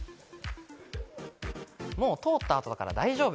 もう通った後だから大丈夫？